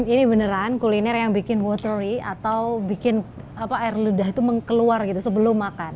ini beneran kuliner yang bikin watery atau bikin air ludah itu mengkeluar sebelum makan